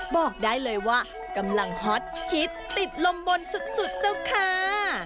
บอกได้เลยว่ากำลังฮอตฮิตติดลมบนสุดเจ้าค่ะ